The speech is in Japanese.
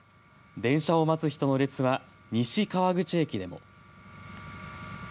電車を待つ人の列は西川口駅でも。